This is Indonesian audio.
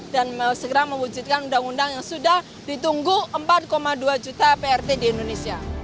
dan mau segera mewujudkan undang undang yang sudah ditunggu empat dua juta prt di indonesia